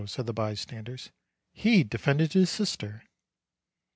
said the bystanders; "he de fended his sister!"